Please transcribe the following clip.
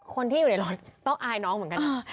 คนที่อยู่ในรถต้องอายน้องเหมือนกัน